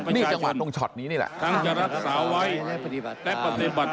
นี่จังหวะตรงช็อตนี้นี่แหละ